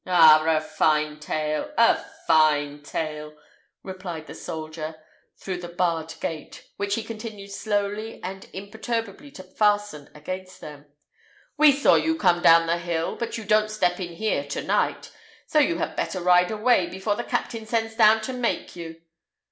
"Ah! a fine tale! a fine tale!" replied the soldier, through the barred gate, which he continued slowly and imperturbably to fasten against them. "We saw you come down the hill, but you don't step in here to night; so you had better ride away, before the captain sends down to make you.